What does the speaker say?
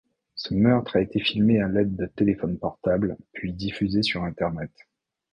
Ce meurtre a été filmé à l'aide de téléphones portables, puis diffusé sur Internet.